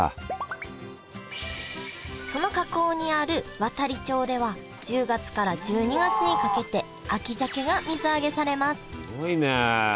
その河口にある亘理町では１０月から１２月にかけて秋鮭が水揚げされますすごいね。